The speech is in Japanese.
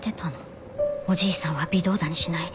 おじいさんは微動だにしない。